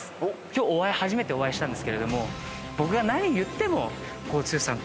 今日初めてお会いしたんですけども僕が何言っても剛さん